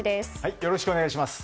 よろしくお願いします。